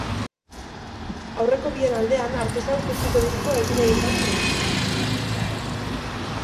Aurreko bien aldean, artisau kutsuko diskoa egin nahi izan zuen.